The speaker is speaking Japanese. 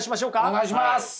お願いします。